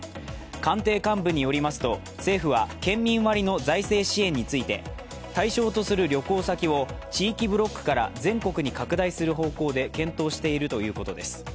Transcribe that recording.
官邸幹部によりますと、政府は県民割の財政支援について対象とする旅行先を地域ブロックから全国に拡大する方向で検討しているということです。